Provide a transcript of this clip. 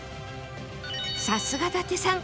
さすが伊達さん！